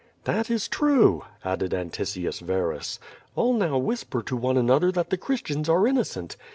"That is true," added Antiscius Verus; "all now whisper to one another that the Christians are innocent.